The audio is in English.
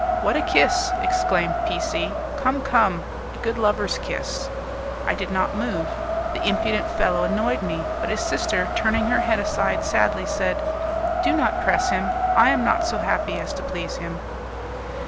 "What a kiss!" exclaimed P C . "Come, come, a good lover's kiss!" I did not move; the impudent fellow annoyed me; but his sister, turning her head aside sadly, said, "Do not press him; I am not so happy as to please him."